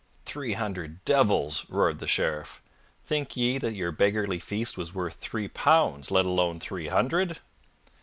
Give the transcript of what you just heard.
"Three hundred devils!" roared the Sheriff. "Think ye that your beggarly feast was worth three pounds, let alone three hundred?"